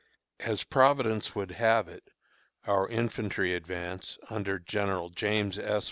As Providence would have it, our infantry advance, under General James S.